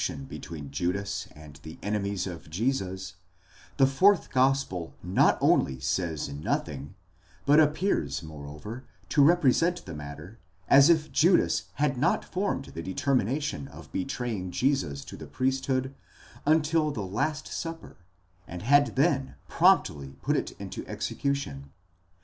603 tion between Judas and the enemies of Jesus, the fourth gospel not only says nothing, but appears mereover to represent the matter as if Judas had not formed the determination of betraying Jesus to the priesthood, until the last supper, and had then promptly put it into execution.